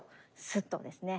スッとですね